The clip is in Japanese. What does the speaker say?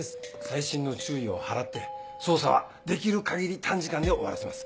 細心の注意を払って捜査はできる限り短時間で終わらせます。